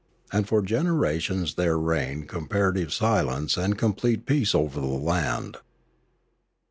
And for generations there reigned comparative silence and complete peace over the land.